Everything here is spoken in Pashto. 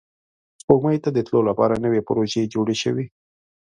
سپوږمۍ ته د تلو لپاره نوې پروژې جوړې شوې